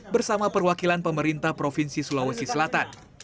bersama perwakilan pemerintah provinsi sulawesi selatan